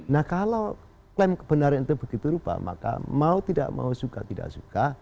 nah kalau klaim kebenaran itu begitu rupa maka mau tidak mau suka tidak suka